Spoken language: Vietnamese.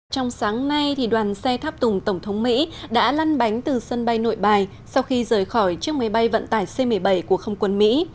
trong sáng nay đoàn xe tháp tùng tổng thống mỹ đã lăn bánh từ sân bay nội bài sau khi rời khỏi chiếc máy bay vận tải c một mươi bảy của không quân mỹ